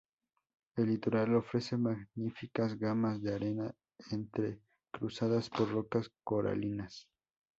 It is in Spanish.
El litoral ofrece magníficas gamas de arena entrecruzadas por rocas coralinas.